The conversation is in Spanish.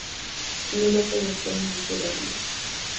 En Europa y España sucede lo mismo.